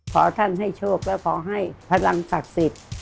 ขอท่านให้โชคแล้วขอให้พลังศักดิ์สิทธิ์